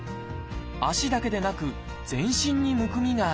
足だけでなく全身にむくみがある。